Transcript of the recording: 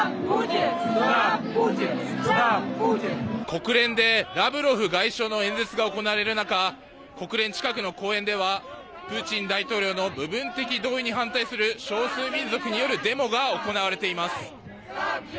国連でラブロフ外相の演説が行われる中国連近くの公園ではプーチン大統領の部分的動員に反対する少数民族によるデモが行われています。